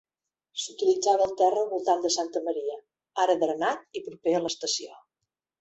S'utilitzava el terra al voltant de Santa Maria, ara drenat i proper a l'estació.